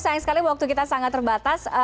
sayang sekali waktu kita sangat terbatas